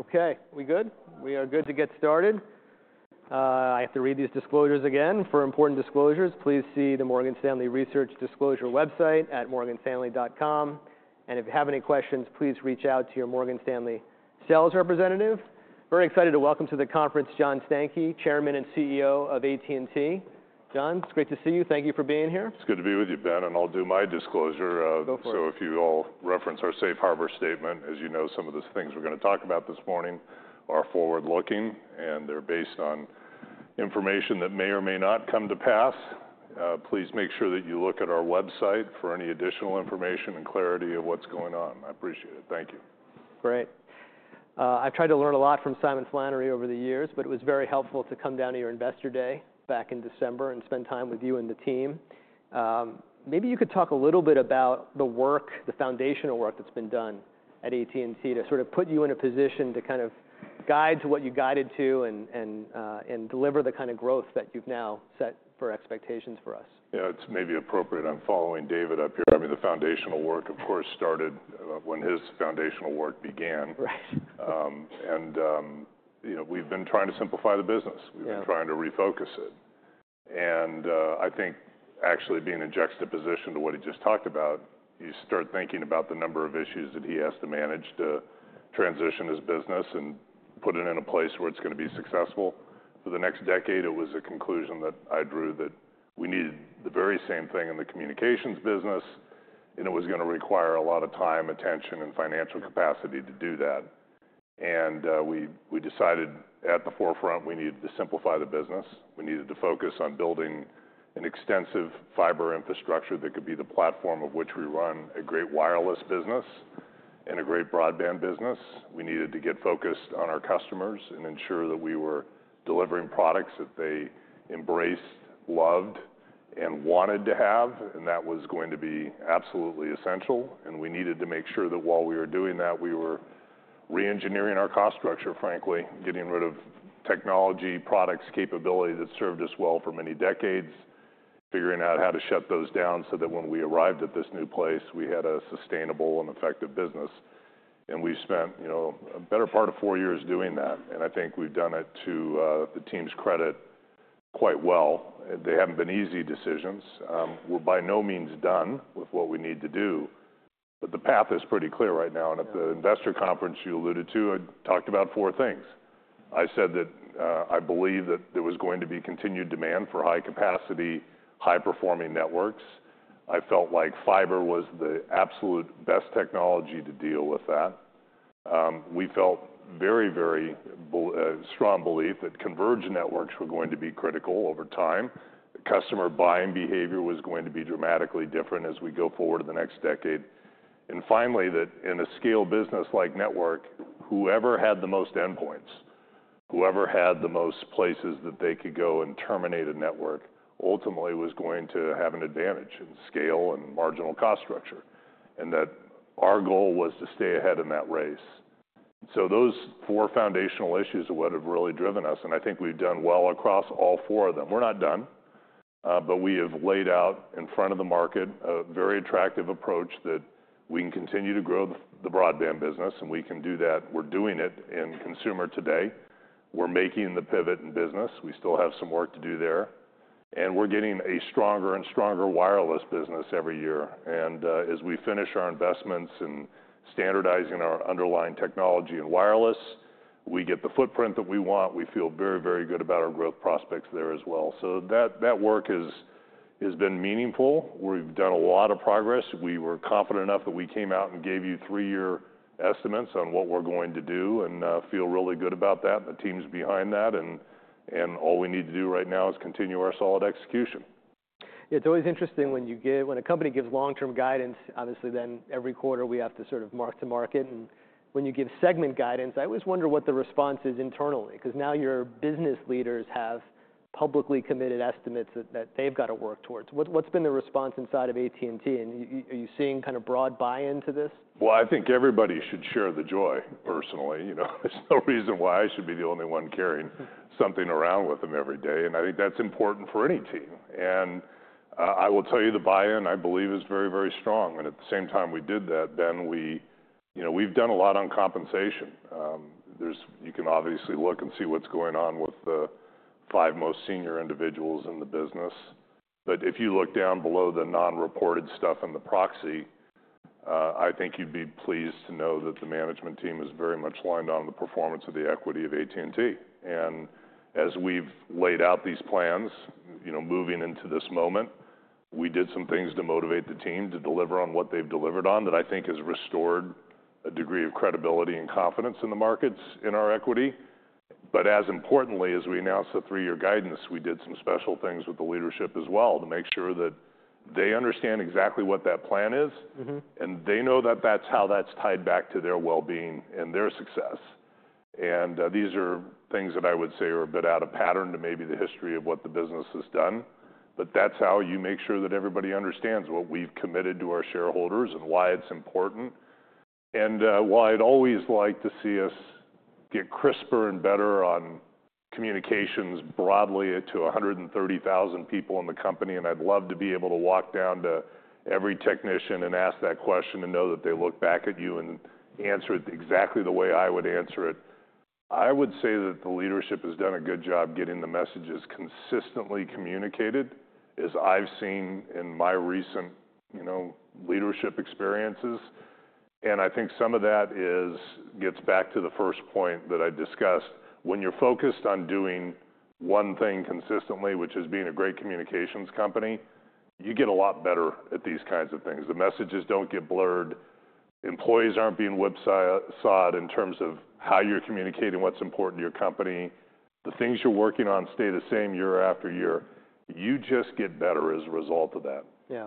Okay, we good? We are good to get started. I have to read these disclosures again. For important disclosures, please see the Morgan Stanley Research Disclosure website at morganstanley.com. And if you have any questions, please reach out to your Morgan Stanley sales representative. Very excited to welcome to the conference John Stankey, Chairman and CEO of AT&T. John, it's great to see you. Thank you for being here. It's good to be with you, Ben, and I'll do my disclosure. Go for it. So if you all reference our Safe Harbor statement, as you know, some of the things we're going to talk about this morning are forward-looking, and they're based on information that may or may not come to pass. Please make sure that you look at our website for any additional information and clarity of what's going on. I appreciate it. Thank you. Great. I've tried to learn a lot from Simon Flannery over the years, but it was very helpful to come down to your Investor Day back in December and spend time with you and the team. Maybe you could talk a little bit about the work, the foundational work that's been done at AT&T to sort of put you in a position to kind of guide to what you guided to and deliver the kind of growth that you've now set for expectations for us. Yeah, it's maybe appropriate I'm following David up here. I mean, the foundational work, of course, started when his foundational work began. Right. We've been trying to simplify the business. Yeah. We've been trying to refocus it, and I think, actually, being in Jeff's position to what he just talked about, you start thinking about the number of issues that he has to manage to transition his business and put it in a place where it's going to be successful. For the next decade, it was a conclusion that I drew that we needed the very same thing in the communications business, and it was going to require a lot of time, attention, and financial capacity to do that, and we decided at the forefront we needed to simplify the business. We needed to focus on building an extensive fiber infrastructure that could be the platform of which we run a great wireless business and a great broadband business. We needed to get focused on our customers and ensure that we were delivering products that they embraced, loved, and wanted to have, and that was going to be absolutely essential, and we needed to make sure that while we were doing that, we were re-engineering our cost structure, frankly, getting rid of technology, products, capability that served us well for many decades, figuring out how to shut those down so that when we arrived at this new place, we had a sustainable and effective business, and we've spent a better part of four years doing that, and I think we've done it to the team's credit quite well. They haven't been easy decisions. We're by no means done with what we need to do, but the path is pretty clear right now, and at the Investor Conference you alluded to, I talked about four things. I said that I believe that there was going to be continued demand for high-capacity, high-performing networks. I felt like fiber was the absolute best technology to deal with that. We felt very, very strong belief that converged networks were going to be critical over time. Customer buying behavior was going to be dramatically different as we go forward in the next decade. And finally, that in a scale business like network, whoever had the most endpoints, whoever had the most places that they could go and terminate a network, ultimately was going to have an advantage in scale and marginal cost structure. And that our goal was to stay ahead in that race. So those four foundational issues are what have really driven us, and I think we've done well across all four of them. We're not done, but we have laid out in front of the market a very attractive approach that we can continue to grow the broadband business, and we can do that. We're doing it in consumer today. We're making the pivot in business. We still have some work to do there. And we're getting a stronger and stronger wireless business every year. And as we finish our investments in standardizing our underlying technology and wireless, we get the footprint that we want. We feel very, very good about our growth prospects there as well. So that work has been meaningful. We've done a lot of progress. We were confident enough that we came out and gave you three-year estimates on what we're going to do and feel really good about that and the teams behind that. And all we need to do right now is continue our solid execution. Yeah, it's always interesting when a company gives long-term guidance. Obviously, then every quarter we have to sort of mark to market, and when you give segment guidance, I always wonder what the response is internally, because now your business leaders have publicly committed estimates that they've got to work towards. What's been the response inside of AT&T? And are you seeing kind of broad buy-in to this? I think everybody should share the joy, personally. There's no reason why I should be the only one carrying something around with them every day. I think that's important for any team. I will tell you the buy-in, I believe, is very, very strong. At the same time we did that, Ben, we've done a lot on compensation. You can obviously look and see what's going on with the five most senior individuals in the business. But if you look down below the non-reported stuff in the proxy, I think you'd be pleased to know that the management team is very much lined on the performance of the equity of AT&T. And as we've laid out these plans moving into this moment, we did some things to motivate the team to deliver on what they've delivered on that I think has restored a degree of credibility and confidence in the markets in our equity. But as importantly, as we announced the three-year guidance, we did some special things with the leadership as well to make sure that they understand exactly what that plan is, and they know that that's how that's tied back to their well-being and their success. And these are things that I would say are a bit out of pattern to maybe the history of what the business has done. But that's how you make sure that everybody understands what we've committed to our shareholders and why it's important. And well, I'd always like to see us get crisper and better on communications broadly to 130,000 people in the company. And I'd love to be able to walk down to every technician and ask that question and know that they look back at you and answer it exactly the way I would answer it. I would say that the leadership has done a good job getting the messages consistently communicated, as I've seen in my recent leadership experiences. And I think some of that gets back to the first point that I discussed. When you're focused on doing one thing consistently, which is being a great communications company, you get a lot better at these kinds of things. The messages don't get blurred. Employees aren't being whipsawed in terms of how you're communicating what's important to your company. The things you're working on stay the same year after year. You just get better as a result of that. Yeah.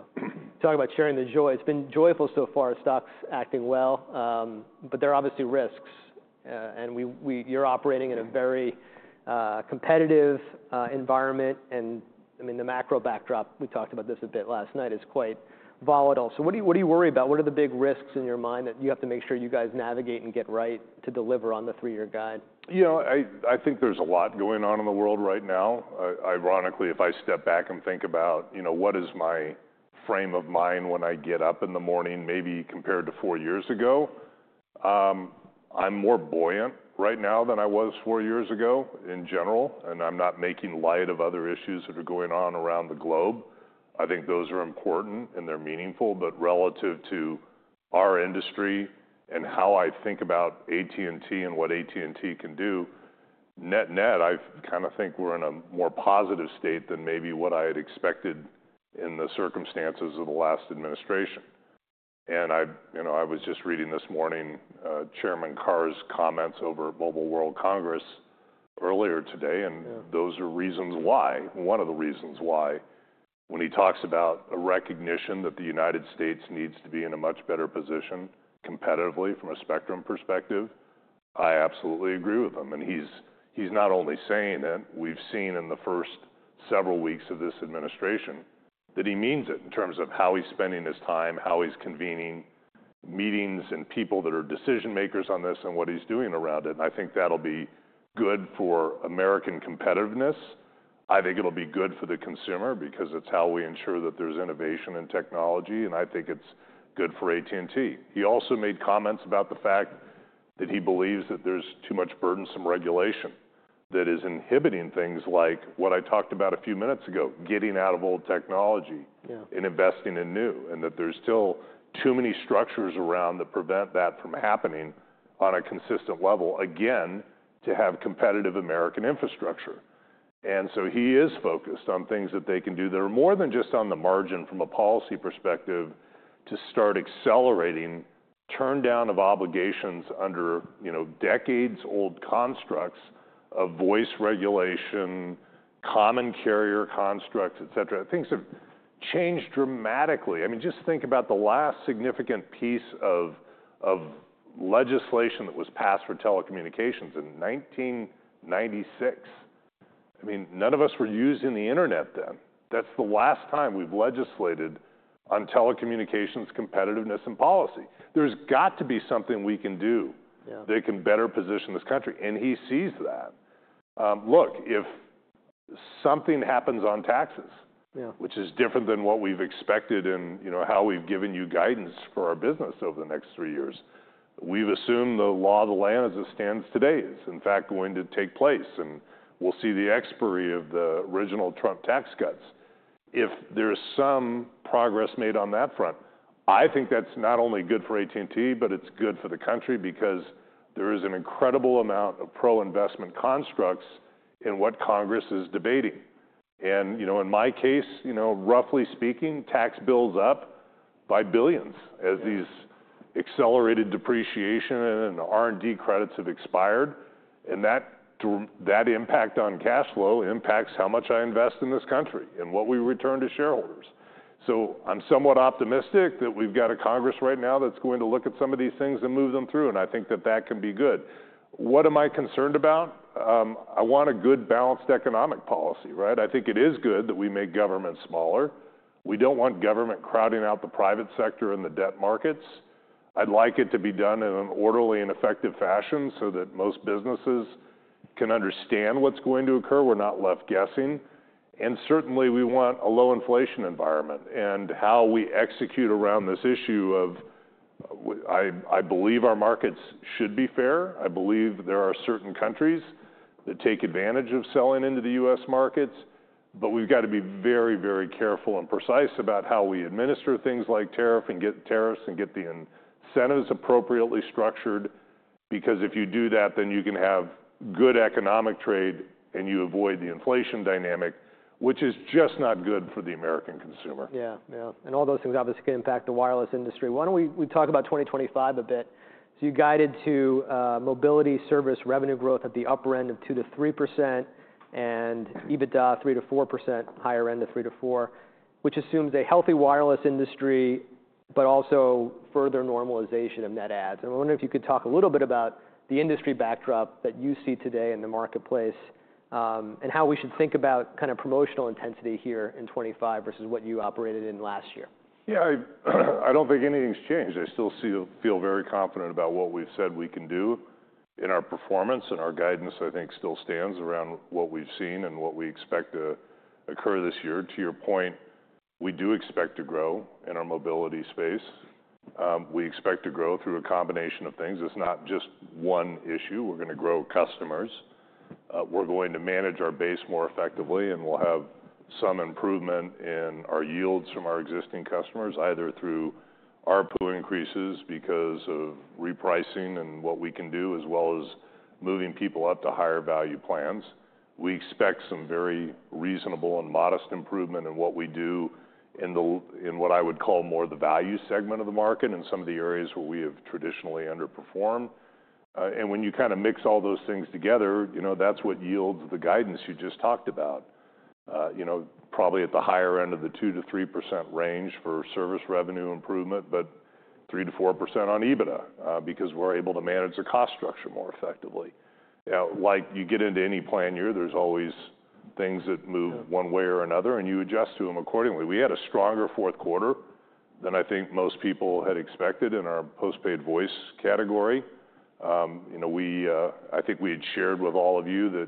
Talking about sharing the joy, it's been joyful so far. Stock's acting well, but there are obviously risks, and you're operating in a very competitive environment, and, I mean, the macro backdrop, we talked about this a bit last night, is quite volatile, so what do you worry about? What are the big risks in your mind that you have to make sure you guys navigate and get right to deliver on the three-year guide? You know, I think there's a lot going on in the world right now. Ironically, if I step back and think about what is my frame of mind when I get up in the morning, maybe compared to four years ago, I'm more buoyant right now than I was four years ago in general, and I'm not making light of other issues that are going on around the globe. I think those are important, and they're meaningful, but relative to our industry and how I think about AT&T and what AT&T can do, net-net, I kind of think we're in a more positive state than maybe what I had expected in the circumstances of the last administration, and I was just reading this morning Chairman Carr's comments over at Mobile World Congress earlier today. And those are reasons why, one of the reasons why, when he talks about a recognition that the United States needs to be in a much better position competitively from a spectrum perspective, I absolutely agree with him. And he's not only saying it, we've seen in the first several weeks of this administration that he means it in terms of how he's spending his time, how he's convening meetings and people that are decision-makers on this and what he's doing around it. And I think that'll be good for American competitiveness. I think it'll be good for the consumer because it's how we ensure that there's innovation and technology. And I think it's good for AT&T. He also made comments about the fact that he believes that there's too much burdensome regulation that is inhibiting things like what I talked about a few minutes ago, getting out of old technology and investing in new, and that there's still too many structures around that prevent that from happening on a consistent level, again, to have competitive American infrastructure. And so he is focused on things that they can do that are more than just on the margin from a policy perspective to start accelerating turndown of obligations under decades-old constructs of voice regulation, common carrier constructs, et cetera. Things have changed dramatically. I mean, just think about the last significant piece of legislation that was passed for telecommunications in 1996. I mean, none of us were using the internet then. That's the last time we've legislated on telecommunications competitiveness and policy. There's got to be something we can do that can better position this country. And he sees that. Look, if something happens on taxes, which is different than what we've expected and how we've given you guidance for our business over the next three years, we've assumed the law of the land as it stands today is in fact going to take place. And we'll see the expiry of the original Trump tax cuts if there's some progress made on that front. I think that's not only good for AT&T, but it's good for the country because there is an incredible amount of pro-investment constructs in what Congress is debating. And in my case, roughly speaking, tax bills up by billions as these accelerated depreciation and R&D credits have expired. And that impact on cash flow impacts how much I invest in this country and what we return to shareholders. I'm somewhat optimistic that we've got a Congress right now that's going to look at some of these things and move them through. And I think that that can be good. What am I concerned about? I want a good balanced economic policy, right? I think it is good that we make governments smaller. We don't want government crowding out the private sector and the debt markets. I'd like it to be done in an orderly and effective fashion so that most businesses can understand what's going to occur. We're not left guessing. And certainly, we want a low inflation environment. And how we execute around this issue of I believe our markets should be fair. I believe there are certain countries that take advantage of selling into the U.S. markets. But we've got to be very, very careful and precise about how we administer things like tariffs and get the incentives appropriately structured, because if you do that, then you can have good economic trade and you avoid the inflation dynamic, which is just not good for the American consumer. Yeah, yeah. And all those things obviously can impact the wireless industry. Why don't we talk about 2025 a bit? So you guided to Mobility service revenue growth at the upper end of 2%-3% and EBITDA 3%-4%, higher end of 3%-4%, which assumes a healthy wireless industry, but also further normalization of net adds. And I wonder if you could talk a little bit about the industry backdrop that you see today in the marketplace and how we should think about kind of promotional intensity here in 2025 versus what you operated in last year. Yeah, I don't think anything's changed. I still feel very confident about what we've said we can do, and our performance and our guidance, I think, still stands around what we've seen and what we expect to occur this year. To your point, we do expect to grow in our Mobility space. We expect to grow through a combination of things. It's not just one issue. We're going to grow customers. We're going to manage our base more effectively, and we'll have some improvement in our yields from our existing customers, either through ARPU increases because of repricing and what we can do, as well as moving people up to higher value plans. We expect some very reasonable and modest improvement in what we do in what I would call more the value segment of the market and some of the areas where we have traditionally underperformed. When you kind of mix all those things together, that's what yields the guidance you just talked about, probably at the higher end of the 2%-3% range for service revenue improvement, but 3%-4% on EBITDA because we're able to manage the cost structure more effectively. Like you get into any plan year, there's always things that move one way or another, and you adjust to them accordingly. We had a stronger fourth quarter than I think most people had expected in our postpaid voice category. I think we had shared with all of you that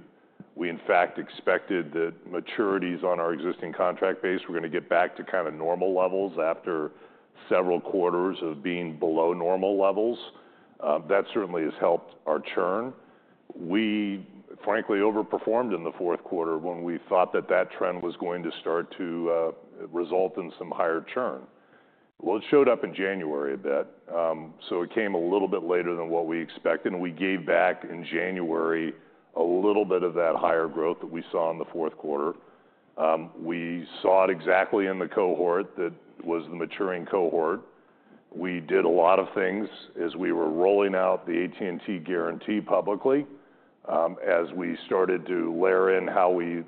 we, in fact, expected that maturities on our existing contract base were going to get back to kind of normal levels after several quarters of being below normal levels. That certainly has helped our churn. We, frankly, overperformed in the fourth quarter when we thought that that trend was going to start to result in some higher churn. Well, it showed up in January a bit. So it came a little bit later than what we expected. And we gave back in January a little bit of that higher growth that we saw in the fourth quarter. We saw it exactly in the cohort that was the maturing cohort. We did a lot of things as we were rolling out the AT&T Guarantee publicly, as we started to layer in how we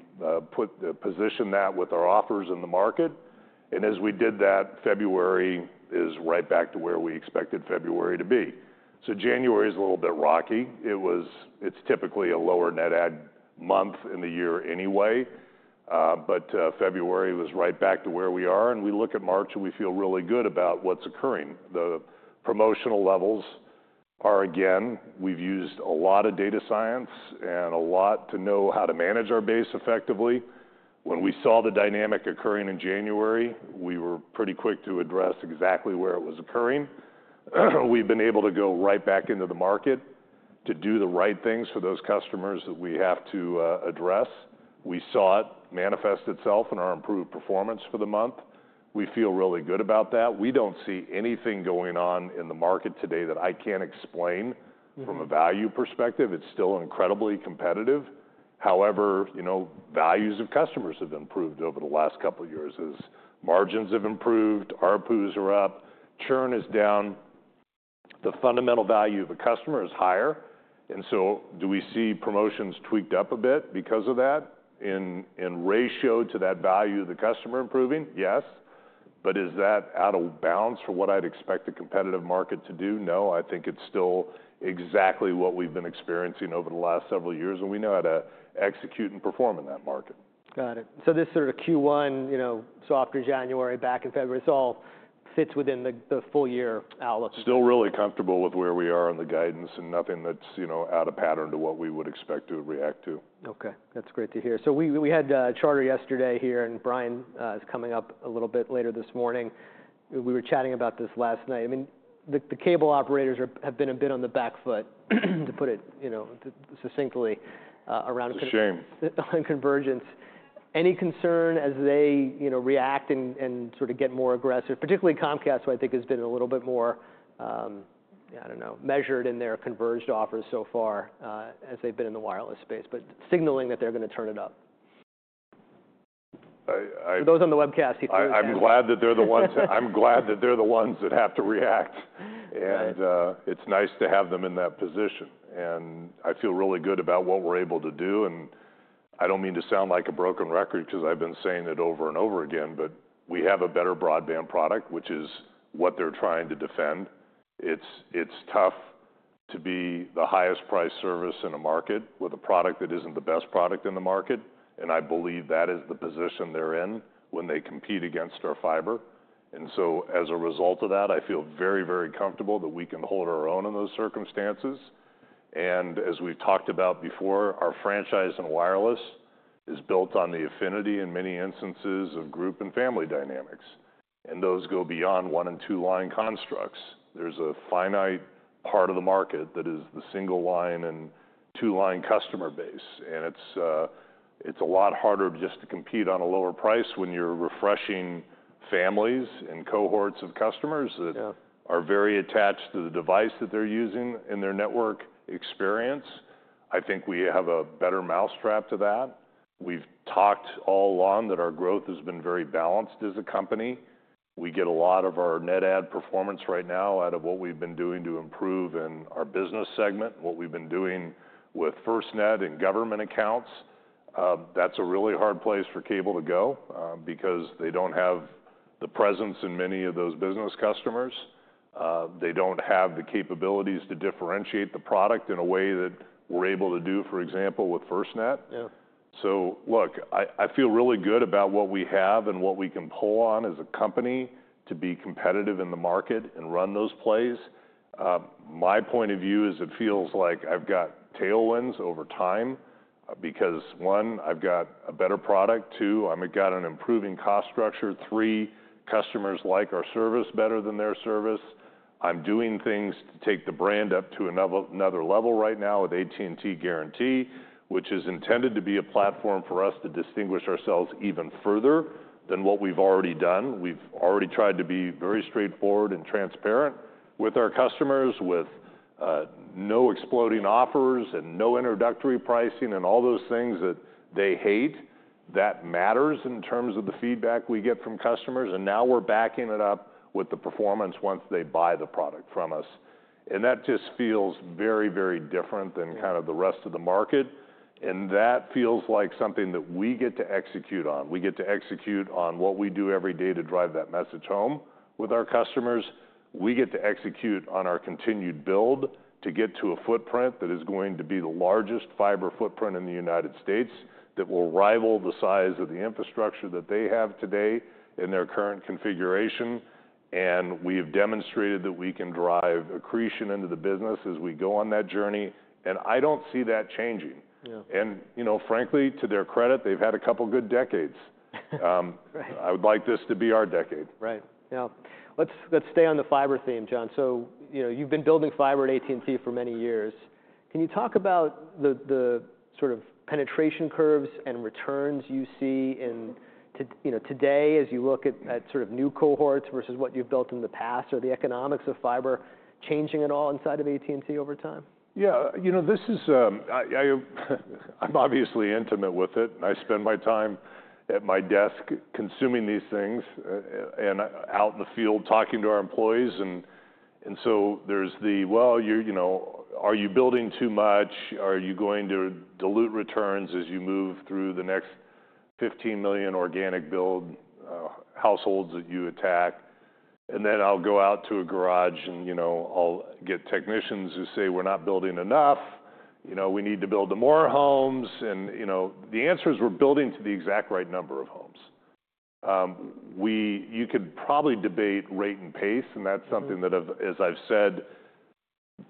positioned that with our offers in the market. And as we did that, February is right back to where we expected February to be. So January is a little bit rocky. It's typically a lower net add month in the year anyway. But February was right back to where we are. And we look at March, and we feel really good about what's occurring. The promotional levels are, again, we've used a lot of data science and a lot to know how to manage our base effectively. When we saw the dynamic occurring in January, we were pretty quick to address exactly where it was occurring. We've been able to go right back into the market to do the right things for those customers that we have to address. We saw it manifest itself in our improved performance for the month. We feel really good about that. We don't see anything going on in the market today that I can't explain from a value perspective. It's still incredibly competitive. However, values of customers have improved over the last couple of years. Margins have improved. ARPUs are up. Churn is down. The fundamental value of a customer is higher. And so do we see promotions tweaked up a bit because of that in ratio to that value of the customer improving? Yes. But is that out of bounds for what I'd expect a competitive market to do? No, I think it's still exactly what we've been experiencing over the last several years. And we know how to execute and perform in that market. Got it. So this sort of Q1 so after January, back in February, it all fits within the full year outlook. Still really comfortable with where we are on the guidance and nothing that's out of pattern to what we would expect to react to. Okay. That's great to hear. So we had Charter yesterday here, and Brian is coming up a little bit later this morning. We were chatting about this last night. I mean, the cable operators have been a bit on the back foot, to put it succinctly, around convergence. Any concern as they react and sort of get more aggressive? Particularly Comcast, who I think has been a little bit more, I don't know, measured in their converged offers so far as they've been in the wireless space, but signaling that they're going to turn it up. For those on the webcast, he threw it. I'm glad that they're the ones that have to react. And it's nice to have them in that position. And I feel really good about what we're able to do. And I don't mean to sound like a broken record because I've been saying it over and over again, but we have a better broadband product, which is what they're trying to defend. It's tough to be the highest priced service in a market with a product that isn't the best product in the market. And I believe that is the position they're in when they compete against our fiber. And so as a result of that, I feel very, very comfortable that we can hold our own in those circumstances. And as we've talked about before, our franchise in wireless is built on the affinity in many instances of group and family dynamics. And those go beyond one and two-line constructs. There's a finite part of the market that is the single-line and two-line customer base. And it's a lot harder just to compete on a lower price when you're refreshing families and cohorts of customers that are very attached to the device that they're using in their network experience. I think we have a better mousetrap to that. We've talked all along that our growth has been very balanced as a company. We get a lot of our net add performance right now out of what we've been doing to improve in our business segment, what we've been doing with FirstNet and government accounts. That's a really hard place for cable to go because they don't have the presence in many of those business customers. They don't have the capabilities to differentiate the product in a way that we're able to do, for example, with FirstNet. So look, I feel really good about what we have and what we can pull on as a company to be competitive in the market and run those plays. My point of view is it feels like I've got tailwinds over time because, one, I've got a better product. Two, I've got an improving cost structure. Three, customers like our service better than their service. I'm doing things to take the brand up to another level right now with AT&T Guarantee, which is intended to be a platform for us to distinguish ourselves even further than what we've already done. We've already tried to be very straightforward and transparent with our customers, with no exploding offers and no introductory pricing and all those things that they hate. That matters in terms of the feedback we get from customers. And now we're backing it up with the performance once they buy the product from us. And that just feels very, very different than kind of the rest of the market. And that feels like something that we get to execute on. We get to execute on what we do every day to drive that message home with our customers. We get to execute on our continued build to get to a footprint that is going to be the largest fiber footprint in the United States that will rival the size of the infrastructure that they have today in their current configuration. And we have demonstrated that we can drive accretion into the business as we go on that journey. And I don't see that changing. And frankly, to their credit, they've had a couple of good decades. I would like this to be our decade. Right. Yeah. Let's stay on the fiber theme, John. So you've been building fiber at AT&T for many years. Can you talk about the sort of penetration curves and returns you see today as you look at sort of new cohorts versus what you've built in the past? Are the economics of fiber changing at all inside of AT&T over time? Yeah. I'm obviously intimate with it. I spend my time at my desk consuming these things and out in the field talking to our employees. And so there's the, well, are you building too much? Are you going to dilute returns as you move through the next 15 million organic build households that you attack? And then I'll go out to a garage and I'll get technicians who say, "We're not building enough. We need to build more homes." And the answer is we're building to the exact right number of homes. You could probably debate rate and pace. And that's something that, as I've said,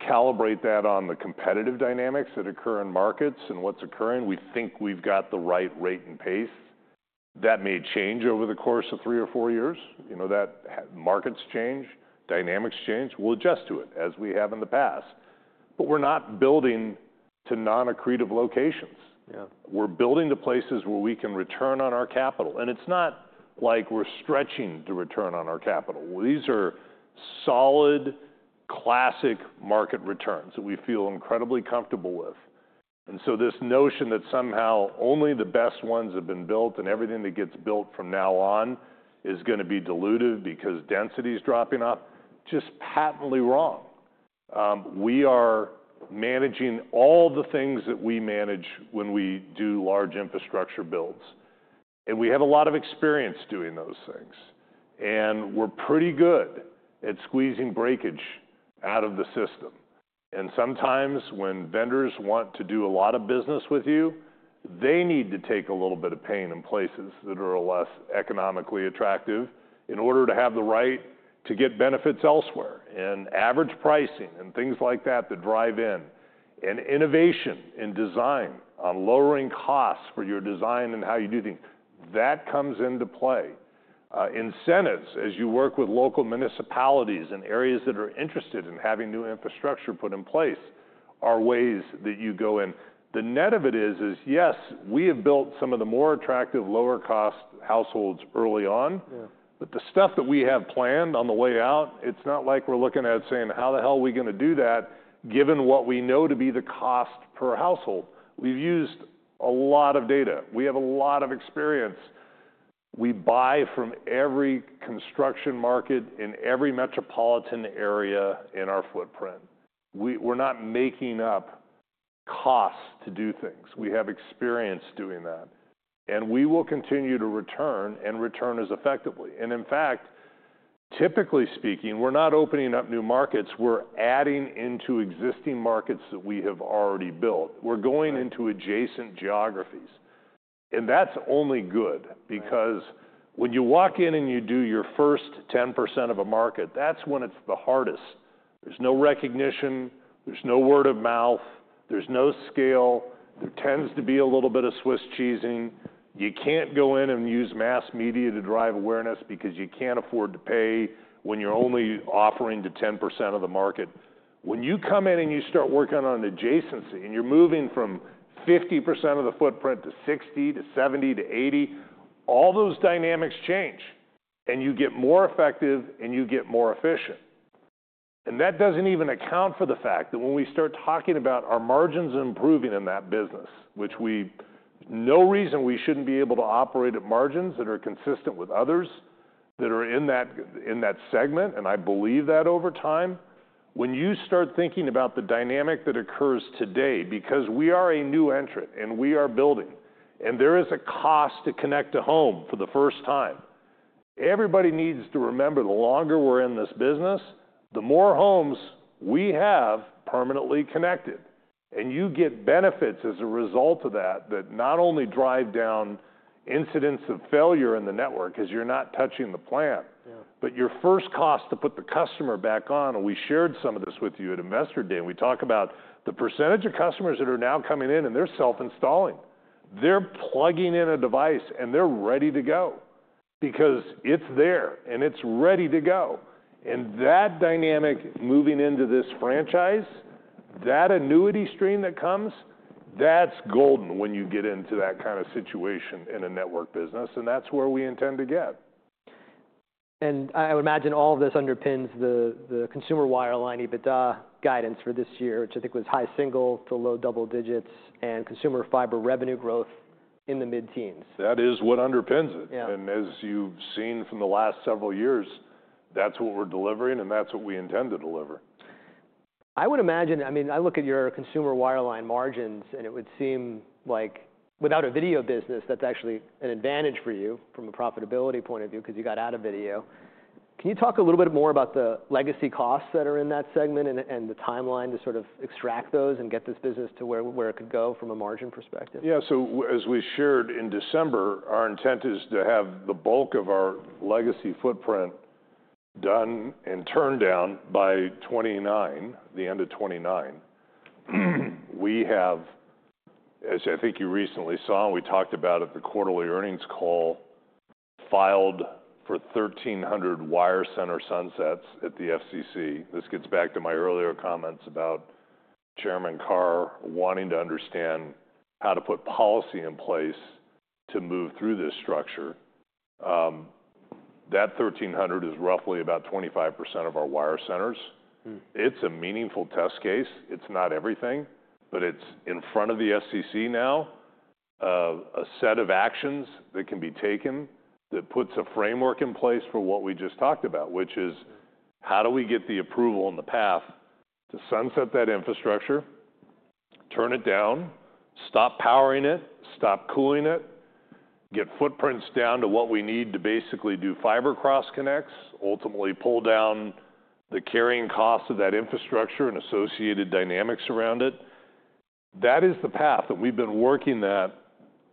calibrate that on the competitive dynamics that occur in markets and what's occurring. We think we've got the right rate and pace. That may change over the course of three or four years. Markets change. Dynamics change. We'll adjust to it as we have in the past. But we're not building to non-accretive locations. We're building to places where we can return on our capital. And it's not like we're stretching to return on our capital. These are solid, classic market returns that we feel incredibly comfortable with. And so this notion that somehow only the best ones have been built and everything that gets built from now on is going to be diluted because density is dropping off is just patently wrong. We are managing all the things that we manage when we do large infrastructure builds. And we have a lot of experience doing those things. And we're pretty good at squeezing breakage out of the system. Sometimes when vendors want to do a lot of business with you, they need to take a little bit of pain in places that are less economically attractive in order to have the right to get benefits elsewhere and average pricing and things like that to drive in. Innovation in design on lowering costs for your design and how you do things, that comes into play. Incentives, as you work with local municipalities and areas that are interested in having new infrastructure put in place, are ways that you go in. The net of it is, yes, we have built some of the more attractive, lower-cost households early on. But the stuff that we have planned on the way out, it's not like we're looking at saying, "How the hell are we going to do that given what we know to be the cost per household?" We've used a lot of data. We have a lot of experience. We buy from every construction market in every metropolitan area in our footprint. We're not making up costs to do things. We have experience doing that. And we will continue to return and return as effectively. And in fact, typically speaking, we're not opening up new markets. We're adding into existing markets that we have already built. We're going into adjacent geographies. And that's only good because when you walk in and you do your first 10% of a market, that's when it's the hardest. There's no recognition. There's no word of mouth. There's no scale. There tends to be a little bit of Swiss cheesing. You can't go in and use mass media to drive awareness because you can't afford to pay when you're only offering to 10% of the market. When you come in and you start working on adjacency and you're moving from 50% of the footprint to 60% to 70% to 80%, all those dynamics change, and you get more effective and you get more efficient. That doesn't even account for the fact that when we start talking about our margins improving in that business, which we have no reason we shouldn't be able to operate at margins that are consistent with others that are in that segment. I believe that over time, when you start thinking about the dynamic that occurs today because we are a new entrant and we are building, and there is a cost to connect a home for the first time, everybody needs to remember the longer we're in this business, the more homes we have permanently connected. You get benefits as a result of that that not only drive down incidents of failure in the network because you're not touching the plant, but your first cost to put the customer back on. We shared some of this with you at Investor Day. We talk about the percentage of customers that are now coming in and they're self-installing. They're plugging in a device and they're ready to go because it's there and it's ready to go. That dynamic moving into this franchise, that annuity stream that comes, that's golden when you get into that kind of situation in a network business. That's where we intend to get. I would imagine all of this underpins the Consumer Wireline EBITDA guidance for this year, which I think was high single- to low double-digit and consumer fiber revenue growth in the mid-teens. That is what underpins it, and as you've seen from the last several years, that's what we're delivering and that's what we intend to deliver. I would imagine, I mean, I look at your consumer wireline margins and it would seem like without a video business, that's actually an advantage for you from a profitability point of view because you got out of video. Can you talk a little bit more about the legacy costs that are in that segment and the timeline to sort of extract those and get this business to where it could go from a margin perspective? Yeah. So as we shared in December, our intent is to have the bulk of our legacy footprint done and turned down by 2029, the end of 2029. We have, as I think you recently saw, we talked about at the quarterly earnings call, filed for 1,300 wire center sunsets at the FCC. This gets back to my earlier comments about Chairman Carr wanting to understand how to put policy in place to move through this structure. That 1,300 is roughly about 25% of our wire centers. It's a meaningful test case. It's not everything, but it's in front of the FCC now, a set of actions that can be taken that puts a framework in place for what we just talked about, which is how do we get the approval in the path to sunset that infrastructure, turn it down, stop powering it, stop cooling it, get footprints down to what we need to basically do fiber cross-connects, ultimately pull down the carrying costs of that infrastructure and associated dynamics around it. That is the path that we've been working at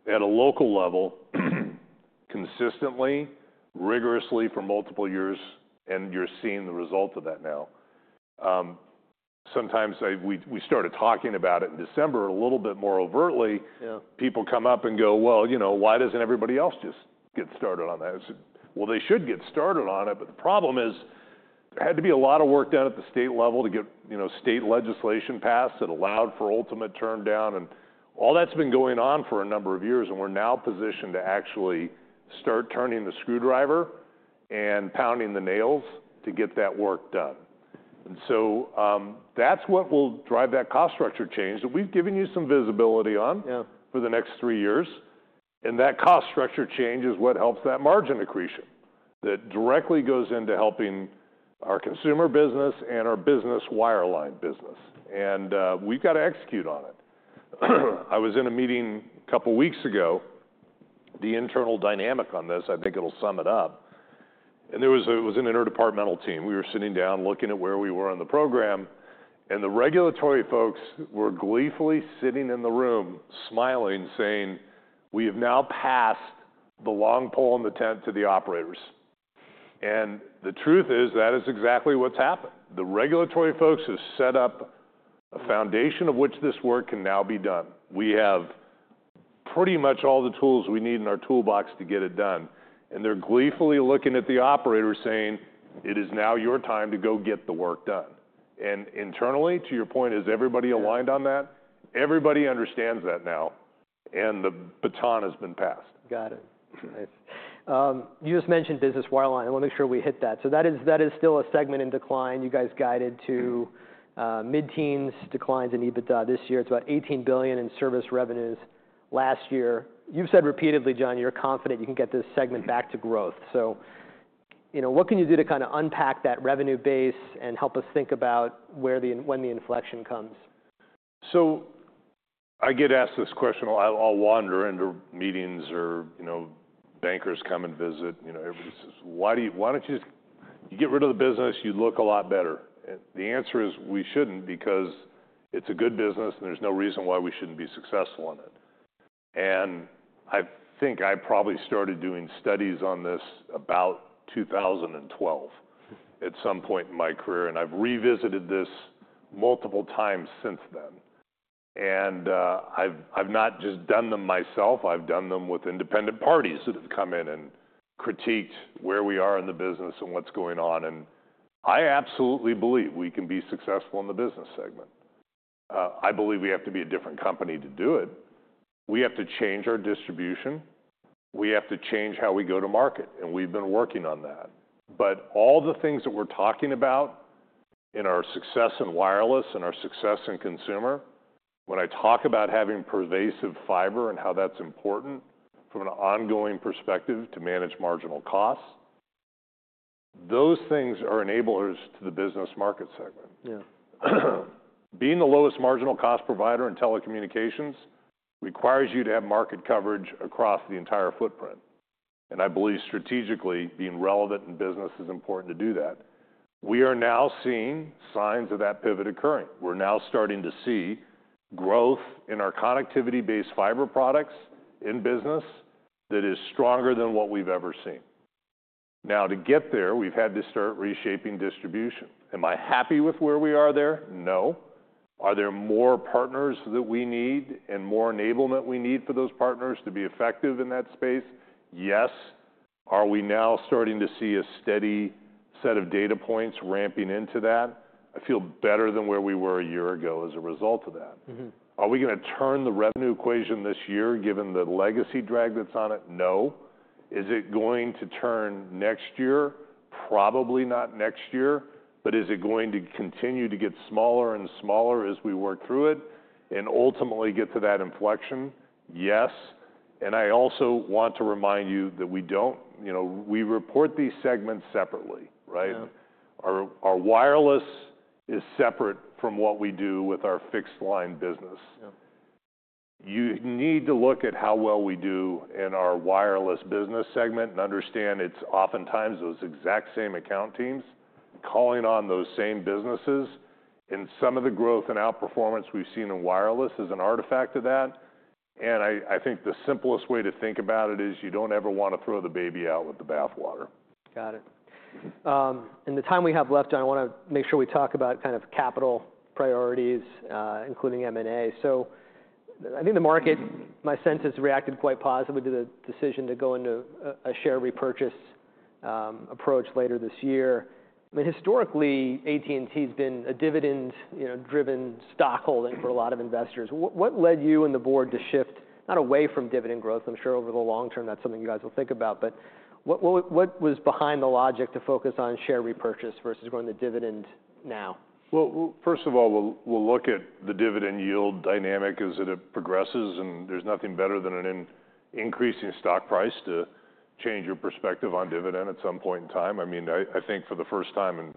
a local level consistently, rigorously for multiple years, and you're seeing the result of that now. Sometimes we started talking about it in December a little bit more overtly. People come up and go, "Well, you know, why doesn't everybody else just get started on that?" I said, "Well, they should get started on it, but the problem is there had to be a lot of work done at the state level to get state legislation passed that allowed for ultimate turndown." And all that's been going on for a number of years, and we're now positioned to actually start turning the screwdriver and pounding the nails to get that work done. And so that's what will drive that cost structure change that we've given you some visibility on for the next three years. And that cost structure change is what helps that margin accretion that directly goes into helping our consumer business and our Business Wireline business. And we've got to execute on it. I was in a meeting a couple of weeks ago. The internal dynamic on this, I think it'll sum it up. And it was an interdepartmental team. We were sitting down looking at where we were on the program. And the regulatory folks were gleefully sitting in the room smiling, saying, "We have now passed the long pole in the tent to the operators." And the truth is that is exactly what's happened. The regulatory folks have set up a foundation of which this work can now be done. We have pretty much all the tools we need in our toolbox to get it done. And they're gleefully looking at the operator saying, "It is now your time to go get the work done." And internally, to your point, is everybody aligned on that? Everybody understands that now. And the baton has been passed. Got it. Nice. You just mentioned business wireline. I want to make sure we hit that. So that is still a segment in decline. You guys guided to mid-teens declines in EBITDA this year. It's about $18 billion in service revenues last year. You've said repeatedly, John, you're confident you can get this segment back to growth. So what can you do to kind of unpack that revenue base and help us think about when the inflection comes? So I get asked this question. I'll wander into meetings or bankers come and visit. Everybody says, "Why don't you just get rid of the business? You'd look a lot better." And the answer is we shouldn't because it's a good business and there's no reason why we shouldn't be successful in it. And I think I probably started doing studies on this about 2012 at some point in my career. And I've revisited this multiple times since then. And I've not just done them myself. I've done them with independent parties that have come in and critiqued where we are in the business and what's going on. And I absolutely believe we can be successful in the business segment. I believe we have to be a different company to do it. We have to change our distribution. We have to change how we go to market. And we've been working on that. But all the things that we're talking about in our success in wireless and our success in consumer, when I talk about having pervasive fiber and how that's important from an ongoing perspective to manage marginal costs, those things are enablers to the business market segment. Being the lowest marginal cost provider in telecommunications requires you to have market coverage across the entire footprint. And I believe strategically being relevant in business is important to do that. We are now seeing signs of that pivot occurring. We're now starting to see growth in our connectivity-based fiber products in business that is stronger than what we've ever seen. Now, to get there, we've had to start reshaping distribution. Am I happy with where we are there? No. Are there more partners that we need and more enablement we need for those partners to be effective in that space? Yes. Are we now starting to see a steady set of data points ramping into that? I feel better than where we were a year ago as a result of that. Are we going to turn the revenue equation this year given the legacy drag that's on it? No. Is it going to turn next year? Probably not next year. But is it going to continue to get smaller and smaller as we work through it and ultimately get to that inflection? Yes. And I also want to remind you that we don't report these segments separately, right? Our wireless is separate from what we do with our fixed line business. You need to look at how well we do in our wireless business segment and understand it's oftentimes those exact same account teams calling on those same businesses. And some of the growth and outperformance we've seen in wireless is an artifact of that. And I think the simplest way to think about it is you don't ever want to throw the baby out with the bathwater. Got it. In the time we have left, John, I want to make sure we talk about kind of capital priorities, including M&A. So I think the market, my sense has reacted quite positively to the decision to go into a share repurchase approach later this year. I mean, historically, AT&T has been a dividend-driven stockholding for a lot of investors. What led you and the board to shift not away from dividend growth? I'm sure over the long term, that's something you guys will think about. But what was behind the logic to focus on share repurchase versus going to dividend now? First of all, we'll look at the dividend yield dynamic as it progresses. There's nothing better than an increasing stock price to change your perspective on dividend at some point in time. I mean, I think for the first time in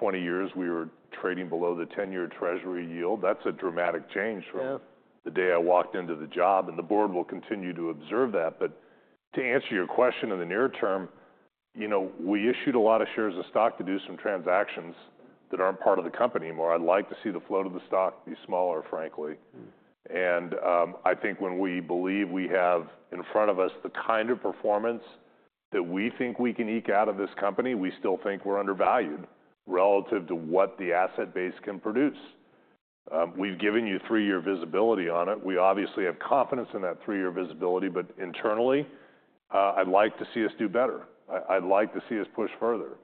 20 years, we were trading below the 10-year Treasury yield. That's a dramatic change from the day I walked into the job. The board will continue to observe that. To answer your question in the near term, we issued a lot of shares of stock to do some transactions that aren't part of the company anymore. I'd like to see the float of the stock be smaller, frankly. I think when we believe we have in front of us the kind of performance that we think we can eke out of this company, we still think we're undervalued relative to what the asset base can produce. We've given you three-year visibility on it. We obviously have confidence in that three-year visibility, but internally, I'd like to see us do better. I'd like to see us push further.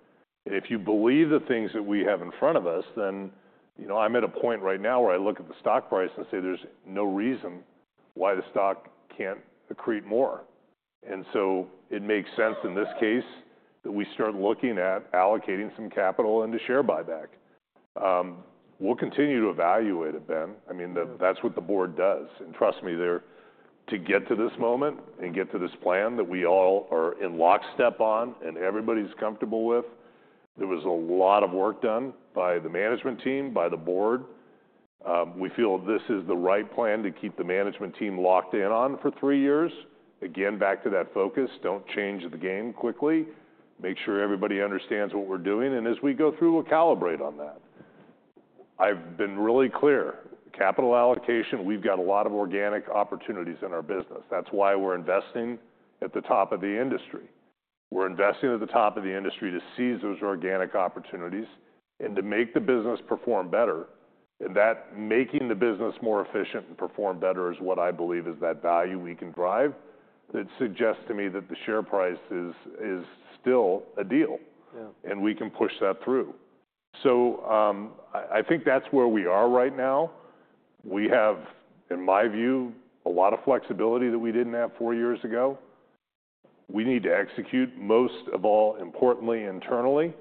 If you believe the things that we have in front of us, then I'm at a point right now where I look at the stock price and say there's no reason why the stock can't accrete more. So it makes sense in this case that we start looking at allocating some capital into share buyback. We'll continue to evaluate it, Ben. I mean, that's what the board does. Trust me, to get to this moment and get to this plan that we all are in lockstep on and everybody's comfortable with, there was a lot of work done by the management team, by the board. We feel this is the right plan to keep the management team locked in on for three years. Again, back to that focus, don't change the game quickly. Make sure everybody understands what we're doing. As we go through, we'll calibrate on that. I've been really clear. Capital allocation, we've got a lot of organic opportunities in our business. That's why we're investing at the top of the industry. We're investing at the top of the industry to seize those organic opportunities and to make the business perform better. That making the business more efficient and perform better is what I believe is that value we can drive that suggests to me that the share price is still a deal and we can push that through. I think that's where we are right now. We have, in my view, a lot of flexibility that we didn't have four years ago. We need to execute most of all importantly internally.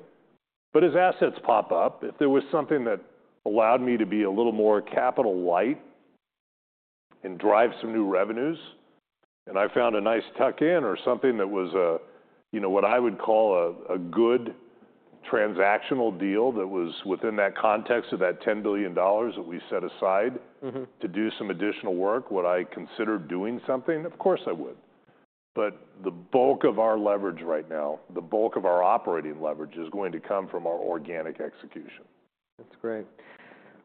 As assets pop up, if there was something that allowed me to be a little more capital light and drive some new revenues, and I found a nice tuck-in or something that was what I would call a good transactional deal that was within that context of that $10 billion that we set aside to do some additional work, would I consider doing something? Of course I would. The bulk of our leverage right now, the bulk of our operating leverage is going to come from our organic execution. That's great.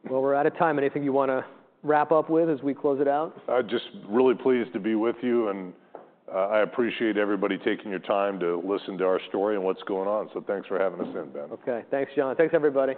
Well, we're out of time. Anything you want to wrap up with as we close it out? Just really pleased to be with you. And I appreciate everybody taking your time to listen to our story and what's going on. So thanks for having us in, Ben. Okay. Thanks, John. Thanks, everybody.